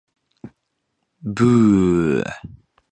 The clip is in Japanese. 新聞を読んでいます。